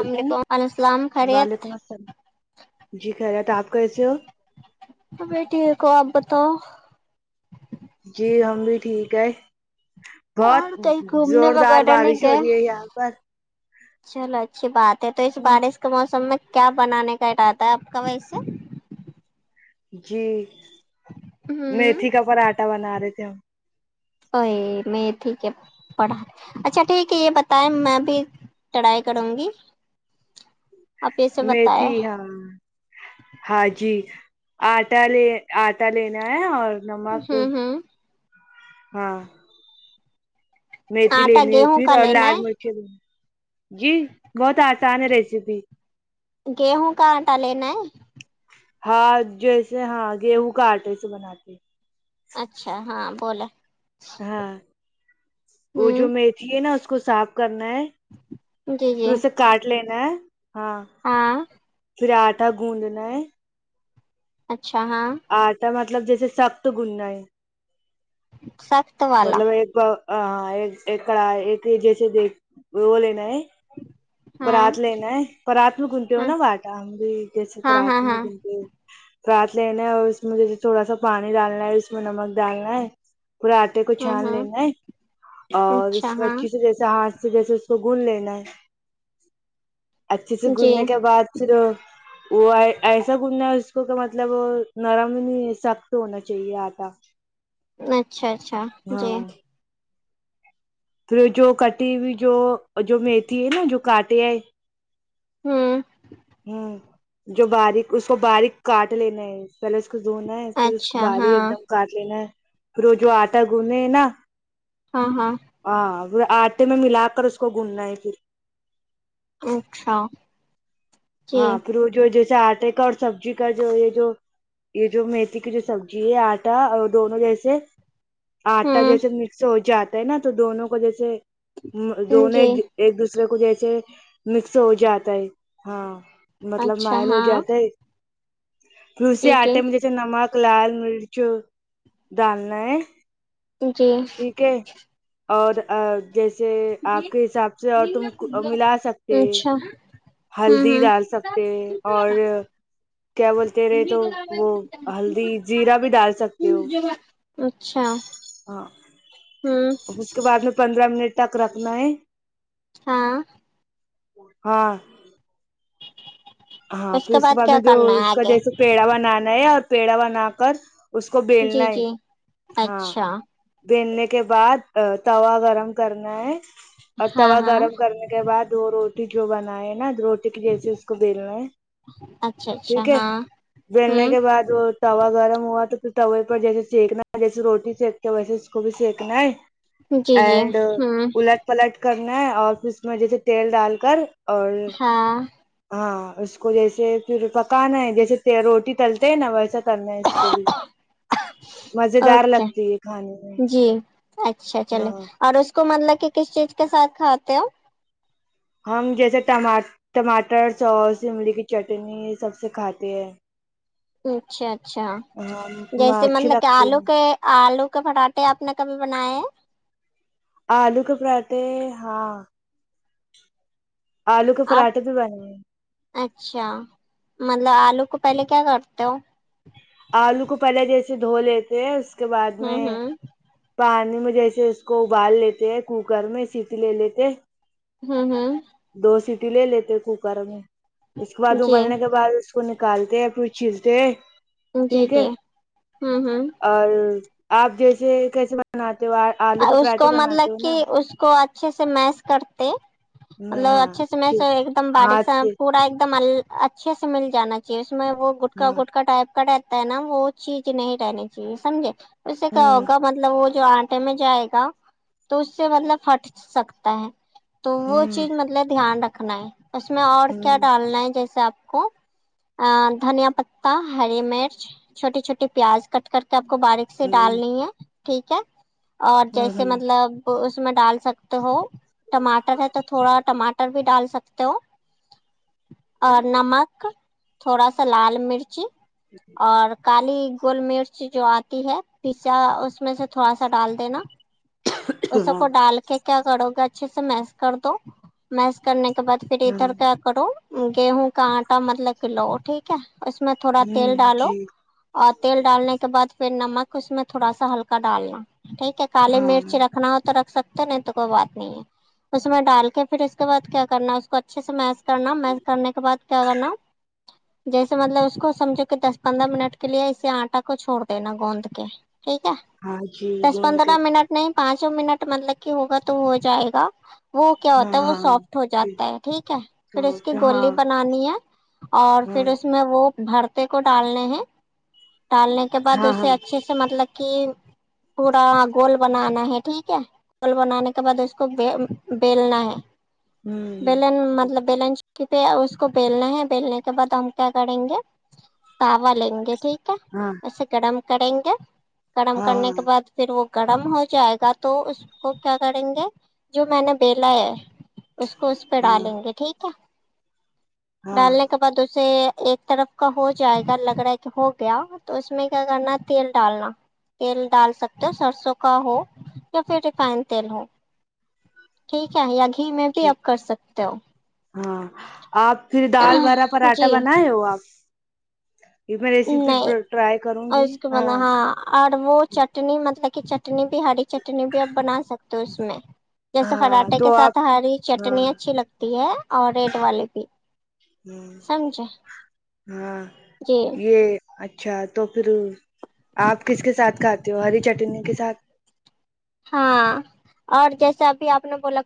السلام علیکم وعلیکم السلام خیریت وعلیکم السلام جی خیرت آپ کیسے ہو ابھی ٹھیک ہو آپ بتاو جی ہم بھی ٹھیک ہے بہت اور کہیں گھومنے زوردار وغیرہ نہیں بارش ہو گئے رہی ہے یہاں پر چلو اچھی بات ہے تو اس ہاں بارش کے موسم میں کیا بنانے کا ارادہ ہے آپ کا ویسے جی ہوں میتھی کا پراٹھا بنا رہے تھے ہم اوے میں ٹھیک ہے پڑھا اچھا ٹھیک ہے یہ بتایں میں بھی تڑائی کروں گی آپ اسے بتائے ہم ہاں جی آٹا لے آٹا لینا ہے اور نمک ہوں ہوں ہاں میتھی آٹا لینی ہے گیہوں پھر کا اور لال لینا مرچیں لے جی بہت آسان ہے ریسیپی گیہوں کا آٹا لینا ہے ہاں جیسے ہاں گیہوں کا آٹا سے بناتے اچھا ہاں بولا ہاں وہ جو ہوں میتھی ہے نا اس کو صاف کرنا ہے جی پھر جی اسے کاٹ لینا ہے ہاں ہاں پھر آٹا گوندنا ہے اچھا ہاں آٹا مطلب جیسے سخت گننا ہے سخت والا مطلب ایک باآ کڑ ایک جیسے دیک وہ لینا ہے ہاں پرات لینا ہے پرات میں گنتے ہو ہاں نااب آٹا ہم بھی جیسے ہاں پرات ہاں میں ہاں گنتے پرات لینا ہے اور اس میں جیسے تھوڑا سا پانی ڈالنا ہے اس میں نمک ڈالنا ہے پرات کو ہوں چھان ہوں لینا ہے اور اچھا اس میں ہاں اچھی سے جیسے ہاتھ جیسے اس کو گون لینا ہے اچھے سے جی گوننے کے بعد پھر وہ ایسا گوندھنا ہے اسکو کہ مطلب نرم نہیں سخت ہونا چاہیے آٹا اچھا اچھا جی ہاں پھر جو کٹی ہوئی جو جو میتھی ہے نا جو کانٹے ہے امم ہوں جو باریک اس کو باریک کاٹ لینا ہے پہلے اس کو دھونا ہے پھر اس کو اچھا باری ہاں ایک دم کاٹ لینا ہے پھر وہ جو آٹا گونے ہے نا ہاں ہاں ہاں پھر آٹے میں ملا کر اس کو گوندھنا ہے پھر اچھا جی ہاں پھر وہ جو جیسے آٹے کا اور سبزی کا جو یہ جو یہ جو میتھی کی جو سبزی ہے آٹا اور دونوں جیسے آٹا ہوں جیسے مکس ہو جاتا ہے نا تو دونوں کو جیسے دونوں جی ایک دوسرے کو جیسے مکس ہو جاتا ہے ہاں مطلب اچھا مائل ہو ہاں جاتا ہے تسی جی جی آٹے مجھے تھ نمک لال مرچ ڈالنا ہے جی ٹھیک ہے اورآ جیسے آپ کے حساب سے اور تم ملا سکتے اچھا ہوں ہلدی ہوں ڈال سکتے اور کیا بولتے رہے تو وہ ہلدی جیرا بھی ڈال سکتے ہو اچھا ہاں ہوں اس کے بعد میں پندرہ منٹ تک رکھنا ہے ہاں ہاں ہاں پھر اس کے بعد کیا میں جو کرنا ہے اس کا آگے جیسے پیڑا بنانا ہے اور پیڑا بنا کر اس کو جی بیلنا ہے جی ہاں اچھا بلنے کے بعد توا گرم کرنا ہے اور ہاں توا ہاں گرم کرنے کے بعد وہ روٹی جو بنائے نا روٹی کے جیسے اس کو بیلنا اچھا اچھا ٹھیک ہے ہاں بلنے ہوں کے بعد بعد توا گرم ہوا تو پھر توے پر جیسے سینکنا ہے جیسے روٹی سینکتے ویسے اس کو بھی سینکنا ہے جی جی اینڈ ہوں پلٹ کرنا ہے اور پھر اس میں جیسے تیل ڈال کر اور ہاں ہاں اس کو جیسے پھر پکانا ہے جیسے روٹی تلتے ہیں نا ویسا کرنا ہے اس کو بھی مز دار اوکے لگتی ہے کھانے میں جی اچھا چلے ہاں اور اس کو مطلب کہ کس چیز کے ساتھ کھاتے ہوپ ہم جیسے ٹما ٹماٹر سوس املی کی چٹنی سب سے کھاتے ہیں اچھا اچھا ہاں جیسے اچھی مطلب کہ لگتی آلو ہے کے آلو کے پراھے آپ نے کبھی بنائے ہیں آلو کے پراٹھے ہاں آلو کے آپ پراٹھے بھی بنے ہیں اچھا مطلب آلو کو پہلے کیا کرتے ہو آلو کو پہلے جیسے دھو لیتے ہیں اس کے بعد میں ہوں ہوں پانی میں جیسے اس کو ابال لیتے ہیں کوکر میں سیٹ لے لیتے ہاں ہاں دو سیٹی لے لیتے کوکر میں اس کے بعد جی ابلنے کے بعد کو نکالتے پھر چھیلتے جی ٹھیک ہے جی ہاں ہاں اور آپ جیسے کیسے بناتے ہو آلو کے اس پراٹھے کو بناتے ہو مطلب نا کہ اس کوچا اچھے سے میس کرتے میں مطلب ہاں اچھے سے میس ٹھیک ایک دم باریک ہاتھ سا سے پورا ایک دم ال اچھے سے مل جانا چاہیے اس میں وہ گٹکا ہاں گٹ کاا ٹائپ کا نا وہ چیز نہیں رہنی چاہیے سمجھے اس سے کیا ہوں ہوگا مطلب وہ جو آ ٹے میں جائے گا تو اس سے مطلب ہٹ سکتا ہے تو وہ ہوں چیز مطلب دھیان رکھنا ہے اس میں اور کیا ہوں ڈالنا ہے جیسے آپ کو ا دھنیا پتا ہری مرچ چھوٹی چھوٹی پیاز کٹ کر کے آپ کو باریک سے ہوں ڈالنی ہے ٹھیک ہے اور ہوں جیسے ہوں مطلب اس میں ڈال سکتے ہو ٹماٹر ہے تو تھوڑا ٹماٹر بھی ڈال سکتے ہو اور نمک تھوڑا سا لال مرچ جی اور کالی گول مرچ جو آتی ہے پیسا اس میں سے تھوڑا سا ڈال دینا اس ہاں کو ڈال کے کیا کرو گے اچھے سے میس کر دو میس کرنے کے بعد پھر ہاں ادھر کیا کرو گیہوں کا آٹا مطلب کہ لؤ ٹھیک ہے اس میں تھوڑا تیل ہوں ڈالو جی اور تیل ڈالنے کے بعد پھر نمک اس میں تھوڑا سا ہلکا ڈالنا ٹھیک ہے کالی ہاں مرچ رکھنا ہو تو رکھ سکتے نہیں تو کوئی بات نہیں ہے اس میں ڈال کے پھر اس کے بعد کیا کرنا اس کو اچھے سے میس کرنا میس کرنے کے بعد کیا کرنا جیسے مطلب اس کو سمجھو کہ دس پندرہ منٹ کے لیے اسے آٹا کو چھوڑ دینا گوند کےلے ٹھیک ہے ہاں جی دس گوند کے پندرہ منٹ نہیں پانچوں منٹ مطلب کہ ہوگا تو ہو جائے گا وہ کیا ہاں ہوتا ہے وہ ہاں سافٹ ہو جاتا ہے ٹھیک ہے پھر اس کی ہاں گولی ہاں بنانی ہے اور پھر اس میں وہ بھر کو ڈالنے ہیں ڈالنے کے بعد ہاں ہاں اسے اچھے سے مطلب کہ پورا گول بنانا ہے ٹھیک ہے گول بنانے کے بعد اس کو بیلنا ہے ہوں بیلن مطلب بیلن کیونکہ اس کو بیلنا ہے بیلنے کے بعد ہم کیا کریں گے تعوا لیں گے ٹھیک ہے ہاں سے گرم کریں گے گرم ہاں کرنے ہاں کے پھر وہ گرم ہو جائے گا تو اس کو کیا کریں گے جو میں نے بیلا ہے اس کو اس پہ ہاں ڈالیں گے ٹھیک ہے ہاں ڈالنے اس کے بعد اسے ایک طرف کا ہو جائے گا لگ رہا ہے کہ ہو گیا تو اس میں کیا کرنا تیل ڈالنا تیل ڈال سکتے ہو سرسوں کا ہو یا پھر ریفائن تیل ہو ٹھیک ہے یا گھی میں بھی جی آپ کر سکتے ہو ہاں آپ پھر دال برابر ہو اٹا جی بنائے ہو آپ یہ میں ریسیپی نہیں ٹرائی اور کرونگی اس کے بنا ہاں اور وہ چٹنی مطلب کہ چٹنی بھی ہری چٹنی بھی اپ بنا سکتے ہو اس میں جیسے ہاں پراٹھے کے تو آپ ساتھ ہری ہاں چٹنی اچھی لگتی ہے اور ریڈ والے بھی سمجھے ہاں جی یہ اچھا تو پھر آپ کس کے ساتھ کھاتے ہو ہری چٹنی کے ساتھ ہاں اور جیسے ابھی آپ نے بولا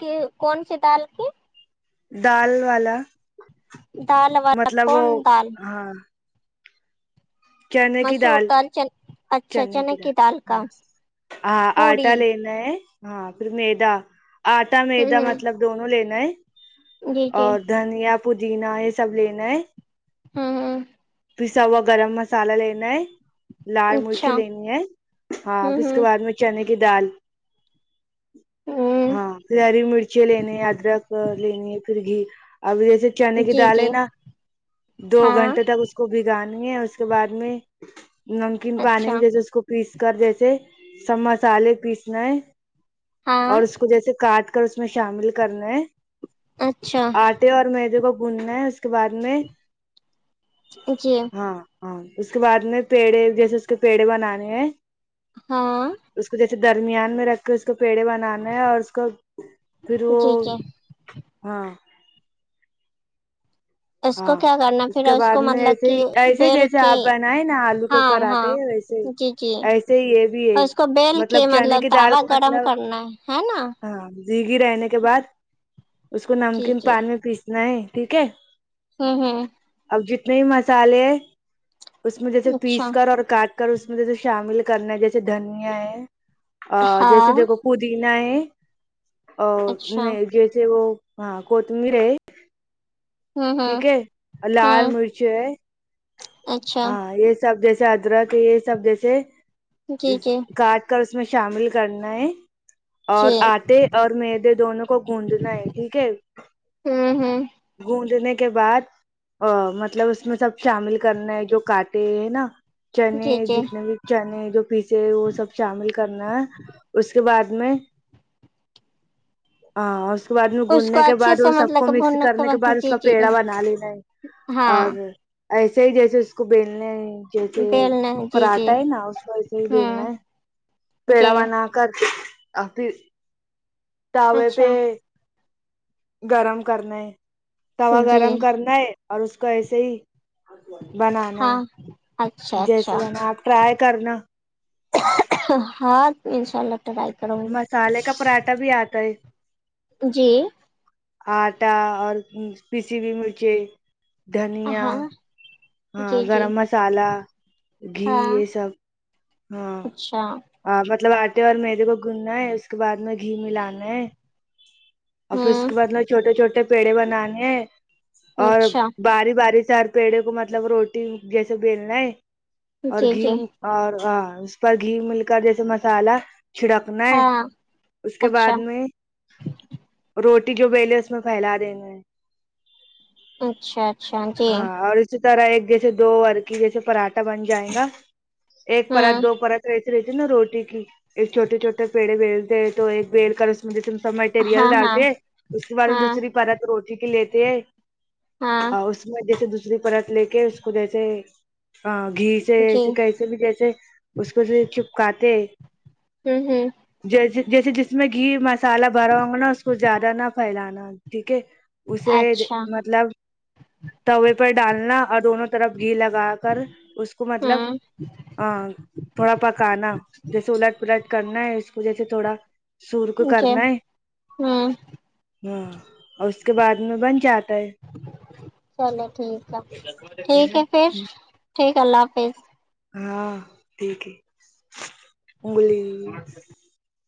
کے کونسی دال کی دال والا دال والا مطلب وہ کون دال ہاں چنے کی دال چنے کی دال ہاں آٹا پوری لینا ہے ہاں پھر میدا آٹا میدا ہوں ہوں مطلب دونوں لینا ہے جی جی اور دھنیا پودینہ یہ سب لینا ہے ھم ھم پیساہوا گرم مسالا لینا ہے لال مرچی اچھا لینی ہے ہاں پھر ہوں اس کے ہوں بعد میں چنے کی دال ہ ہاں پھر ہری مرچی لنے ہے ادرک لنے پھر گھی اب جیسے چنے کی جی دال جی ہے نا دو ہاں گھنٹے تک اس کو بگانانیے اس کے بعد میں نمکین پانی اچھا میں جیسے اس کو پیس کر جیسے سب مسالے پیسنے ہے ہاں اور اس کو جیسے کاٹ کر اس میں شامل کرنے اچھا اور میدے کو بھوننا ہے اس کے بعد میں جی ہاں ہاں اس کے بعد میں پیڑے جیسے اس کے پیڑے بناکے ہیں ہاں اس کو جیسے درمیان میں رکھ کے اس کو پیڑے بنانا ہے اور اس کو پھر وہ جی جی ہاں اس کو ہاں کیا کرنا اس پھر کے بعد کو میں مطلب ایسے ہی کہ ایسے ہی بیل جیسے کے آپ بنائے نا آلو کے ہاں ہاں پراٹھے ویسے جی جی ایسے ہی یہ بھی ہے اور اس کو بیل مطلب کے چنے کی دال توا کو گرم مطلب کرنا ہے ہے نا ہاں زگی رہنے کے بعد اس کو جی نمکین جی پان میں پیسنا ہے ٹھیک ہے ھم اب جتنے بھی مسالے ہے اس میں جیسے اچھا پیس کر اور کاٹ اس میں جسے شامل کرنا ہے جیسے دھنیا ہے جیسے ہاں دیکھو پودینہ ہے اور اچھا جیسے وہ ہاں کوتمیر ہے ہوں ٹھیک ہوں ہے اور لال ہوں مرچ ہے اچھا ہاں یہ سب جیسے ادرک یہ سب جیسے جی جی کاٹ کر اس میں شامل کرنا ہے اور جی آٹے اور میدے دونوں کو گوندنا ہے ٹھیک ہے ہوں ہوں گوندنے کے بعد مطلب اس میں سب شامل کرنا ہے جو کاٹے ہیں نا چنے جی جی جتنے بھی چنے جو پیسے وہ سب شامل کرنا ہے اس کے بعد میں ہاں اس کے بعد میں اس کو گوندنے کے اچھے بعد وہ سے سب مطلب کو کہ مکس بھوننے کرنے کے بعد جی سب جی جی پیڑا بنا لینا ہے ہاں اور ایسے ہی جیسے اس کو بیل نا ہیں جیسے بیلنا جی جی پراٹھا ہے نا اس کو ایسے ہی بیلنا ہوں ہے جی پیڑا بانا کر کے آ پھر تاوے اچھا پہ گرم کرنا ہے توا جی گرم کرنا ہے اور اس کو ایسے ہی بنانا ہاں اچھا ہے جیسے اچھا بنا آپ ٹرائی کرنا اہ اہ ہاں ان شاء اللہ ٹرائی کروں گی مسالے کا پراٹھا بھی آتا ہے جی آٹا اور کسی بھی مرچے دھنیا ہاں ہاں جی جی گرم مسالہ گھی ہاں یہ سب ہاں اچھا ہ مطلب آٹے اور میدے کو گوندنا ہے اس کے بعد میں گھی ملانا ہے اور پھر اس ہوں کے بعد میں چھوٹے چھوٹے پیڑے بنانے ہے اور اچھا باری باری سے ہر پیڑے کو مطلب روٹی جیسے بیلنا ہے اور جی گھی جی اور ہ اس پر گھی مل کر جیسے مسالہ چھڑکنا ہے ہاں اس کے اچھا بعد میں روٹی جو بیلے اس میں پھیلا دینگے اچھا اچھا جی ہاں اور اسی طرح ایک جیسے دو کی جیسے پراٹ بن جائے گا ایک پرت ہوں دو پرت رہتی نا روٹی کی ایک چھوٹے چھوٹے پیڑے بیلتے تو ایک بیل کر اسمے سب مٹیریل ہاں ہاں ڈالتے ہے اس کے بعد ہم ہاں دوسری پرت روٹی کی لیتے ہاں اس میں جیسے دوسری پرت لے کے اس کو جیسے گھی جی جے کیسے بھی جیسے اس کو سے چپکاتے ہے ہوں ہوں جیسے جیسے جس میں گھی مسالہ بھرا ہوں نا اس کو زیادہ نہ پھیلانا ٹھیک ہے اسے اچھا مطلب توے پر ڈالنا اور دونوں طرف گھی لگا کر اس کو مطلب ہوں ہ تھوڑا پکانا جیسے اللٹ پلٹ کرنا ہے اس کو جیسے تھوڑا سور کو جی کرنا ہے ہوں ہاں اور اس کے بعد میں بن جاتا ہے چلو ٹھیک ہے ٹھیک ہے پھر ٹھیک ہے اللہ حافظ ہاں ٹھیک ہے انگلی